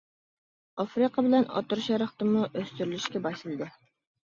ئافرىقا بىلەن ئوتتۇرا شەرقتىمۇ ئۆستۈرۈلۈشكە باشلىدى.